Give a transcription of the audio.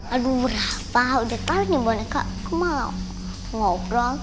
aduh berapa udah tahu nih boneka aku malah ngobrol